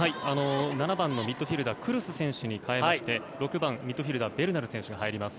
７番のミッドフィールダークルス選手に代わりまして６番、ミッドフィールダーベルナル選手が入ります。